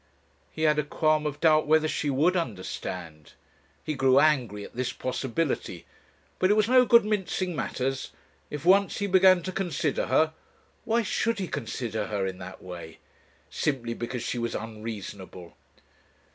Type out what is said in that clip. He had a qualm of doubt whether she would understand.... He grew angry at this possibility. But it was no good mincing matters. If once he began to consider her Why should he consider her in that way? Simply because she was unreasonable!